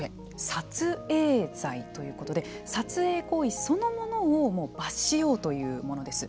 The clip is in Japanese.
撮影罪ということで撮影行為そのものを罰しようというものです。